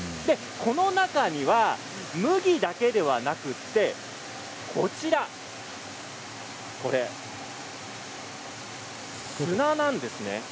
この中には、麦だけではなくて砂なんですね。